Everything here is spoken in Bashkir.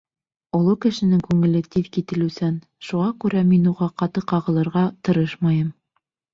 Оло кешенең күңеле тиҙ кителеүсән, шуға күрә мин уға ҡаты ҡағылырға тырышмайым.